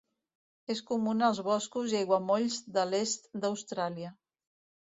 És comuna als boscos i aiguamolls de l'est d'Austràlia.